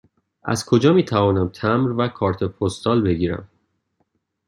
از کجا می توانم تمبر و کارت پستال بگیرم؟